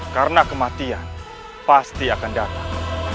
karena kematian pasti akan datang